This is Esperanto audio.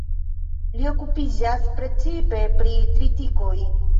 Li okupiĝas precipe pri tritikoj.